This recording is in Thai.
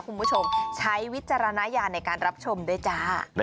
คุณผู้ชมใช้วิจารณญาณในการรับชมด้วยจ้า